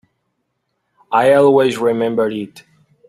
I'll always remember it.